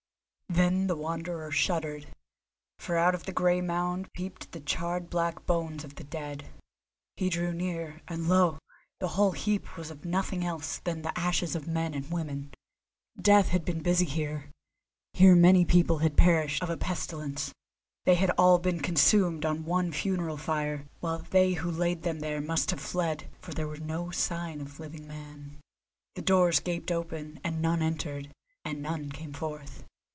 Then the Wanderer shuddered, for out of the grey mound peeped the charred black bones of the dead. He drew near, and, lo! the whole heap was of nothing else than the ashes of men and women. Death had been busy here: here many people had perished of a pestilence. They had all been consumed on one funeral fire, while they who laid them there must have fled, for there was no sign of living man. The doors gaped open, and none entered, and none came forth.